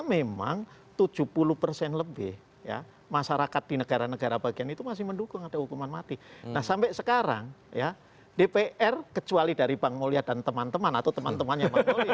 semua nih semua bandar bandar ya